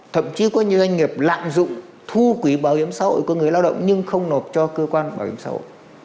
thậm chí có nhiều doanh nghiệp lạm dụng thu quỹ bảo hiểm xã hội của người lao động nhưng không nộp cho cơ quan bảo hiểm xã hội